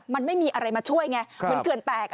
มันไม่มีอะไรมาช่วยไงมันเกินแตก